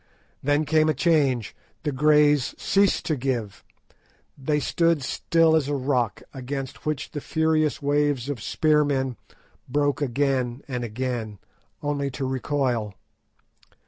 Then came a change; the Greys ceased to give; they stood still as a rock, against which the furious waves of spearmen broke again and again, only to recoil.